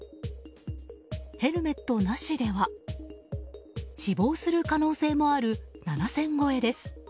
ヘルメットなしでは死亡する可能性もある７０００超えです。